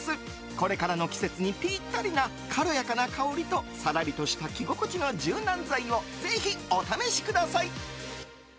これからの季節にぴったりな軽やかな香りとさらりとした着心地の柔軟剤をぜひお試しください。